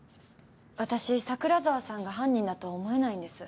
私桜沢さんが犯人だとは思えないんです。